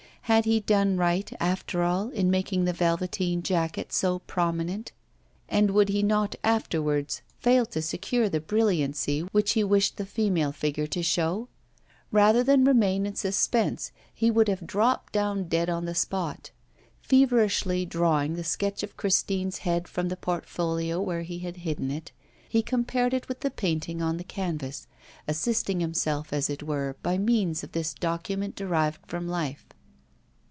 Had he done right, after all, in making the velveteen jacket so prominent, and would he not afterwards fail to secure the brilliancy which he wished the female figure to show? Rather than remain in suspense he would have dropped down dead on the spot. Feverishly drawing the sketch of Christine's head from the portfolio where he had hidden it, he compared it with the painting on the canvas, assisting himself, as it were, by means of this document derived from life.